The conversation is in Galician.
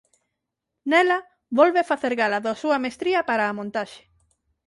Nela volve facer gala da súa mestría para a montaxe.